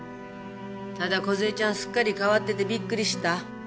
ただ梢ちゃんすっかり変わっててびっくりした。